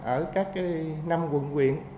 ở các năm quận quyện